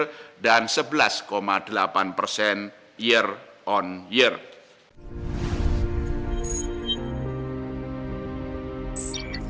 penurunan suku bunga kebijakan moneter dan longgarnya likuiditas